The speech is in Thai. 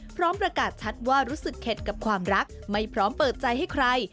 พร้อมประกาศชัดว่ารู้สึกเข็ดกับความรักไม่พร้อมเปิดใจให้ใคร